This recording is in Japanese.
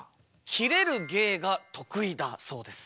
キレる芸が得意だそうです。